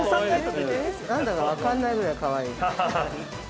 何だか分かんないぐらいかわいい。